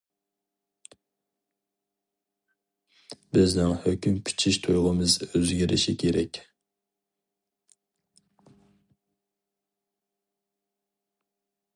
بىزنىڭ ھۆكۈم پىچىش تۇيغۇمىز ئۆزگىرىشى كېرەك.